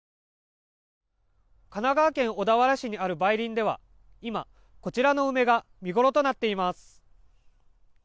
神奈川県小田原市にある梅林では、今こちらの梅が見ごろとなっています。